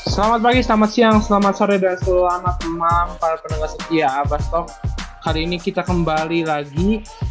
selamat pagi selamat siang selamat sore dan selamat malam para penonton setia abas top kali ini kita kembali lagi